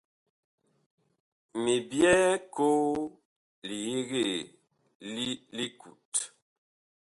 Mi byɛɛ koo li yegee li likut.